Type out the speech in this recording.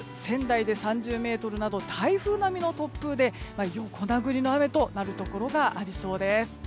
仙台で３０メートルなど台風並みの突風で横殴りの雨となるところがありそうです。